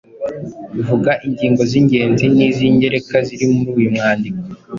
Vuga ingingo z’ingenzi n’iz’ingereka ziri muri uyu mwandiko.